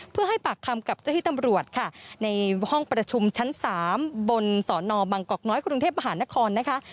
เพื่อให้ปากคำกับเจ้าที่ตำรวจค่ะในห้องประชุมชั้น๓บนสนบังกอกน้อยกรุงเทพมหานครนะคะ